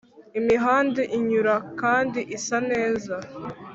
imihanda inyura kandi isa neza